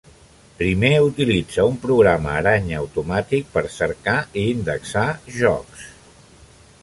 Primer utilitza un programa aranya automàtic per cercar i indexar jocs.